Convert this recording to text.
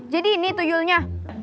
jadi ini tuyulnya